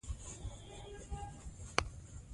د بانک کارکوونکي د مالي قوانینو په اړه معلومات لري.